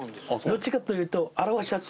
どっちかというと。